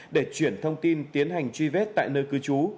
để chuyển thông tin tiến hành truy vết tại nơi cư trú